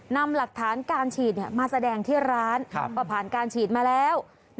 นำหลักฐานการฉีดมาแสดงที่ร้านก็ผ่านการฉีดมาแล้ว